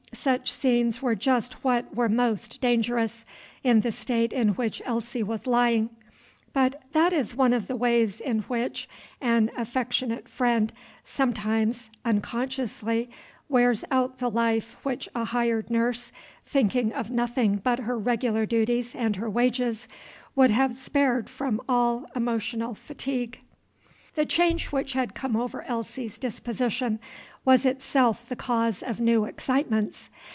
Such scenes were just what were most dangerous, in the state in which Elsie was lying: but that is one of the ways in which an affectionate friend sometimes unconsciously wears out the life which a hired nurse, thinking of nothing but her regular duties and her wages, would have spared from all emotional fatigue. The change which had come over Elsie's disposition was itself the cause of new excitements.